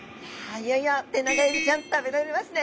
いよいよテナガエビちゃん食べられますね！